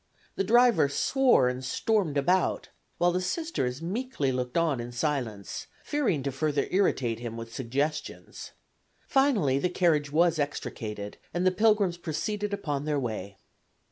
The driver swore and stormed about, while the Sisters meekly looked on in silence, fearing to further irritate him with suggestions. Finally the carriage was extricated and the pilgrims proceeded upon their way.